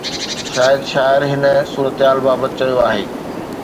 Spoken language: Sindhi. شايد شاعر هن صورتحال بابت چيو آهي.